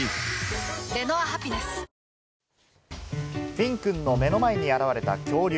フィンくんの目の前に現れた恐竜。